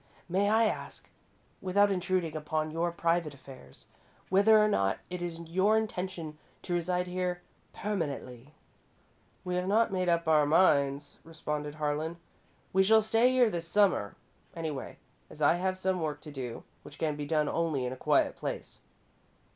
May I ask, without intruding upon your private affairs, whether or not it is your intention to reside here permanently?" "We have not made up our minds," responded Harlan. "We shall stay here this Summer, anyway, as I have some work to do which can be done only in a quiet place."